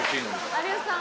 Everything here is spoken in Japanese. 有吉さん